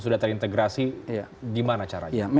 sudah terintegrasi gimana caranya